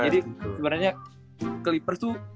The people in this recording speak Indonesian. jadi sebenernya clippers tuh